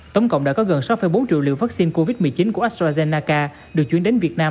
tổng cộng đã có gần sáu bốn triệu liều vaccine covid một mươi chín của astrazennaca được chuyển đến việt nam